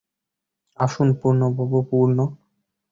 আসুন পূর্ণবাবু– পূর্ণ।